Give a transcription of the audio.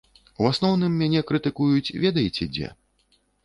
У асноўным мяне крытыкуюць ведаеце дзе?